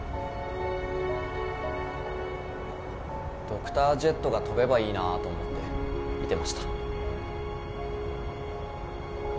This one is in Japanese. ドクタージェットが飛べばいいなと思って見てました。